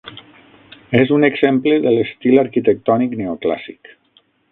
És un exemple de l'estil arquitectònic neoclàssic.